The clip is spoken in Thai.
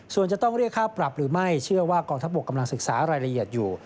ส่วนจะต้องเรียกค่าปรับหรือไม่เชื่อว่ากองทัพบกกำลังศึกษารายละเอียดอยู่